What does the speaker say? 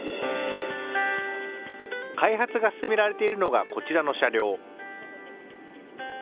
開発が進められているのがこちらの車両。